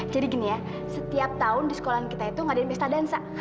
jadi gini ya setiap tahun di sekolah kita itu ngadain pesta dansa